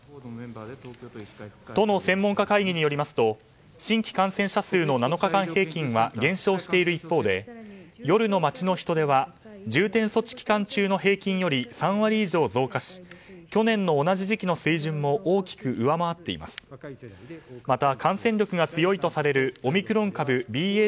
都の専門家会議によりますと新規感染者数の７日間平均は減少している一方で夜の街の人出は重点措置期間中の平均より３割以上増加し去年の同じ時期の水準も大きく上回っています。